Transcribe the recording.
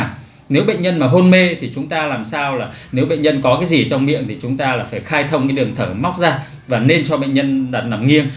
nếu bệnh nhân mà hôn mê thì chúng ta làm sao là nếu bệnh nhân có cái gì trong miệng thì chúng ta là phải khai thông cái đường thở móc ra và nên cho bệnh nhân đặt nằm nghiêng